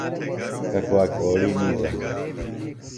ککواک اوڑی نِیدرہ۔